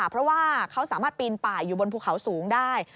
เพราะว่าเขาสามารถปีนป่ายอยู่บนภูเขาสูงได้